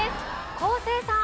昴生さん。